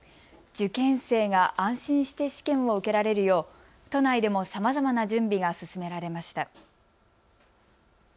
受験生が安心して試験を受けられるよう都内でもさまざまな準備が進められました。